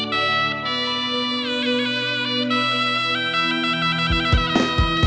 กลับไปที่นี่